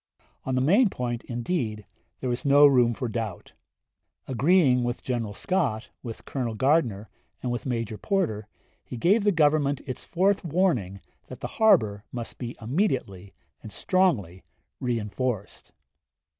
On the main point, indeed, there was no room for doubt. Agreeing with General Scott, with Colonel Gardner, and with Major Porter, he gave the Government its fourth warning that the harbor must be immediately and strongly reenforced.